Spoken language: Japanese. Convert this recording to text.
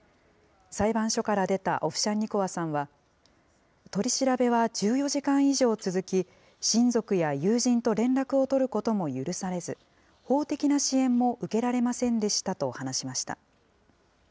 裁判所から出たオフシャンニコワさんは、取り調べは１４時間以上続き、親族や友人と連絡を取ることも許されず、法的な支援も受けられませんでしたと話しました。